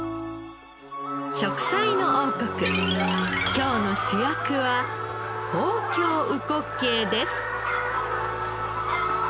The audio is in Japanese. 『食彩の王国』今日の主役は東京うこっけいです。